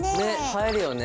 映えるよね。